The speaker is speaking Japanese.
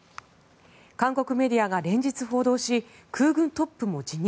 韓国メディアが連日報道し空軍トップも辞任。